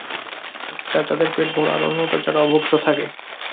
একটা যাদের পেট বড় আর অন্যটা যারা অভুক্ত থাকে।